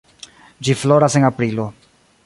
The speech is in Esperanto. Ĝi floras en aprilo.